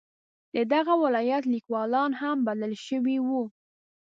د دغه ولایت لیکوالان هم بلل شوي وو.